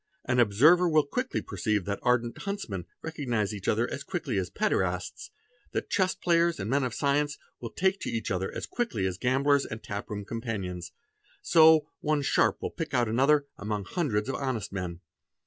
An observer will quickly perceive that ardent huntsmen re cognise each other as quickly as pederasts, that chess players and men — of science will take to each other as quickly as gamblers and tap room — 'companions; so one sharp will pick out another among hundreds of honest men.